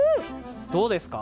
どうですか？